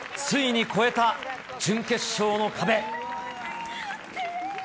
ついに越えた、準決勝の壁。